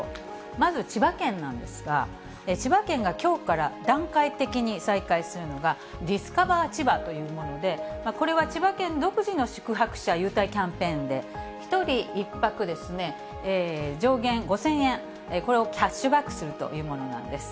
まず千葉県なんですが、千葉県がきょうから段階的に再開するのが、ディスカバー千葉というもので、これは千葉県独自の宿泊者優待キャンペーンで、１人１泊上限５０００円、これをキャッシュバックするというものなんです。